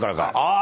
あ！